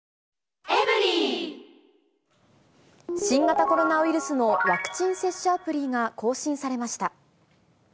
新型コロナウイルスのワクチン接種アプリが更新されました。